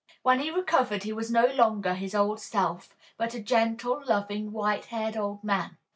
When he recovered he was no longer his old self, but a gentle, loving, white haired old man.